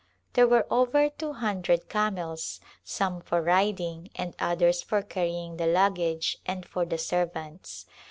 There were over two hun dred camels, some for riding and others for carrying the luggage and for the servants.